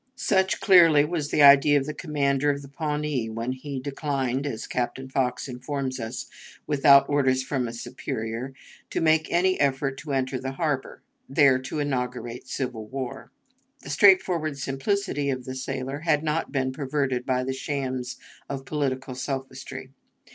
Such clearly was the idea of the commander of the Pawnee, when he declined, as Captain Fox informs us, without orders from a superior, to make any effort to enter the harbor, "there to inaugurate civil war." The straightforward simplicity of the sailor had not been perverted by the shams of political sophistry.